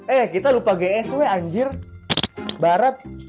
eh kita lupa gs weh anjir barat